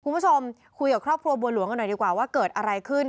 คุณผู้ชมคุยกับครอบครัวบัวหลวงกันหน่อยดีกว่าว่าเกิดอะไรขึ้น